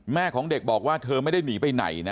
ของเด็กบอกว่าเธอไม่ได้หนีไปไหนนะ